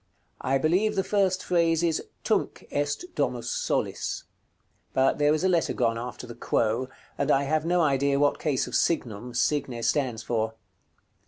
I believe the first phrase is, "Tunc est Domus solis;" but there is a letter gone after the "quo," and I have no idea what case of signum "signe" stands for.